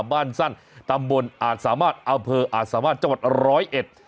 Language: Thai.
บ้านสั้นตำบลอาจสามารถอำเภออาจสามารถจังหวัดร้อยเอ็ด